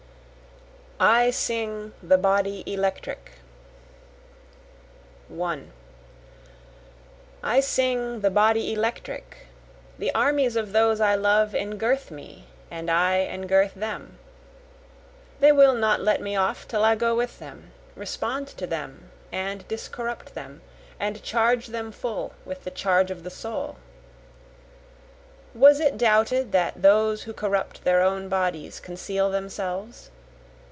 I Sing the Body Electric 1 I sing the body electric, The armies of those I love engirth me and I engirth them, They will not let me off till I go with them, respond to them, And discorrupt them, and charge them full with the charge of the soul. Was it doubted that those who corrupt their own bodies conceal themselves?